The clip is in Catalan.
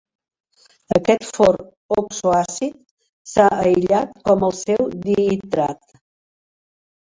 Aquest for oxoàcid s'ha aïllat com el seu dihidrat.